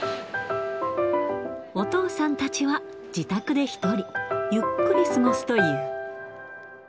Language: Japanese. お父さんたちは自宅で一人、ゆっくり過ごすという。